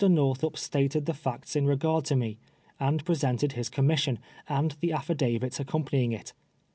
Xorthup stated the facts in regard to me, and presented his commission, and the affidavits accompanying it.